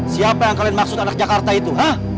siapa yang mengatakan anak jakarta itu